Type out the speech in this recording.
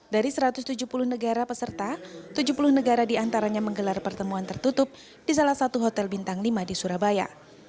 dari satu ratus tujuh puluh negara peserta tujuh puluh negara diantaranya menggelar pertemuan tertutup di salah satu hotel bintang lima di surabaya